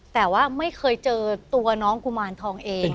แต่ว่าไม่เคยเจอตัวน้องกุมารทองเอง